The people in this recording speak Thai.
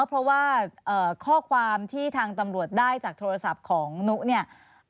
เพราะว่าข้อความที่ทางตำรวจได้จากโทรศัพท์ของนุเนี่ย